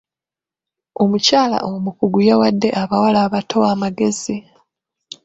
Omukyala omukugu yawadde abawala abato amagezi.